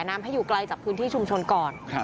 น้ำให้อยู่ไกลจากพื้นที่ชุมชนก่อน